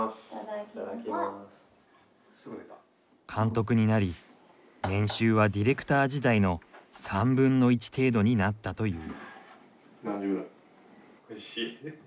監督になり年収はディレクター時代の３分の１程度になったという。